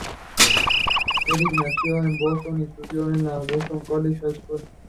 Eric nació en Boston y estudió en la Boston College High School.